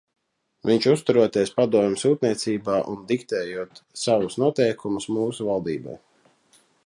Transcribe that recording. Viņš uzturoties Padomju sūtniecībā un diktējot savus noteikumus mūsu valdībai.